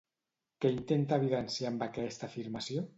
Què intenta evidenciar amb aquesta afirmació?